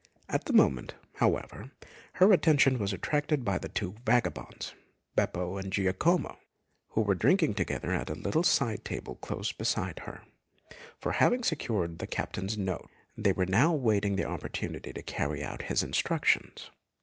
At that moment, however, her attention was attracted by the two vagabonds, Beppo and Giacomo, who were drinking together at a little side table close beside her; for having secured the captain's note, they were now awaiting the opportunity to carry out his instructions.